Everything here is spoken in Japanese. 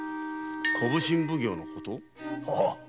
小普請奉行のこと？